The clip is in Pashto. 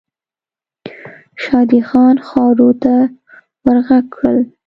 شادي خان ښارو ته ور ږغ کړل.